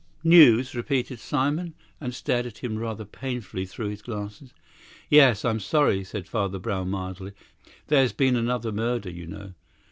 "News?" repeated Simon, and stared at him rather painfully through his glasses. "Yes, I'm sorry," said Father Brown mildly. "There's been another murder, you know."